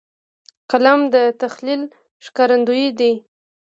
قلم د تخیل ښکارندوی دی